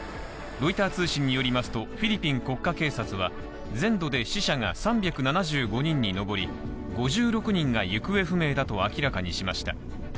ロイター通信によりますと、フィリピン国家警察は全土で死者が３７５人に上り、５６人が行方不明だと明らかにしました。